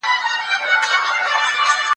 په ناحقه د بل چا حق مه غصبوئ.